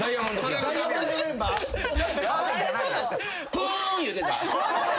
プゥーンいうてた？